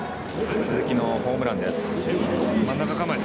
鈴木のホームランです。